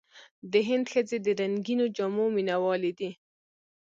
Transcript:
د هند ښځې د رنګینو جامو مینهوالې دي.